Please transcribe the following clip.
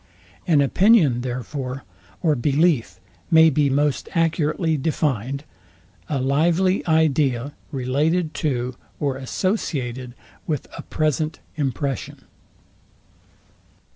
An opinion, therefore, or belief may be most accurately defined, a lively idea related to or associated with a present impression.